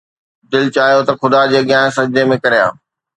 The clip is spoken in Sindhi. دل چاهيو ته خدا جي اڳيان سجدي ۾ ڪريان